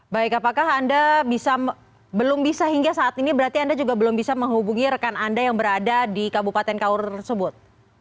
baik apakah anda belum bisa hingga saat ini berarti anda juga belum bisa menghubungi rekan anda yang berada di kabupaten kaur tersebut